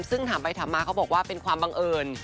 ซึ่งถามไปถามมาเขาบอกว่าเป็นความบังเอิญ